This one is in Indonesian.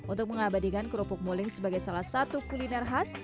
untuk mengabadikan kerupuk muling sebagai salah satu kuliner khas